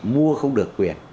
mua không được quyền